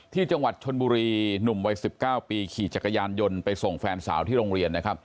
ที่จังหวัดชนบุรีหนุ่มวัย๑๙ปีขี่จักรยานยนต์ไปส่งแฟนสาวที่โรงเรียนนะครับ